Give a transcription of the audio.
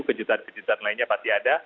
kejutan kejutan lainnya pasti ada